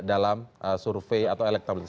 dalam survei atau elektabilitas